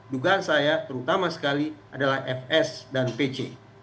dugaan saya terutama sekali adalah fs dan pc